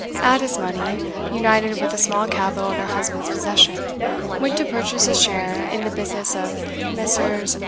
Ada's money, united with a small capital in her husband's possession, went to purchase a share in the business of Messrs.